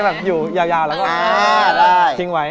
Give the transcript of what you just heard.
ผมก็เลยอยู่ยาวแล้วก็ทิ้งไว้